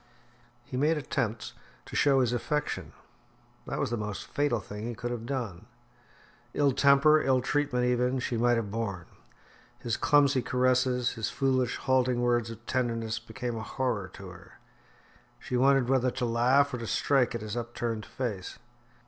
He made attempts to show his affection. This was the most fatal thing he could have done. Ill temper, ill treatment even, she might have borne. His clumsy caresses, his foolish, halting words of tenderness became a horror to her. She wondered whether to laugh or to strike at his upturned face.